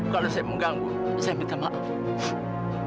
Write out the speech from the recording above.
kalau saya mengganggu saya minta maaf